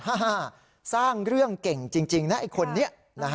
ถ้าสร้างเรื่องเก่งจริงนะไอ้คนนี้